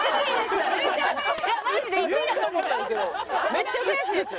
めっちゃ悔しいです。